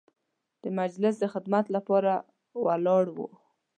د مجلس د خدمت لپاره ولاړ وو.